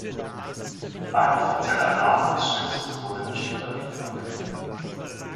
Ein offizieller Name des Schiffs wurde nicht überliefert.